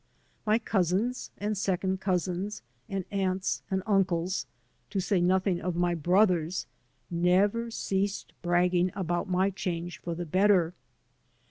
My cousins and second cousins and aunts and uncles, to say nothing of my brothers, never ceased bragging about my change for the better.